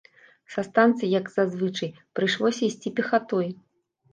Са станцыі, як за звычай, прыйшлося ісці пехатой.